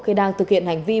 khi đang thực hiện hành vi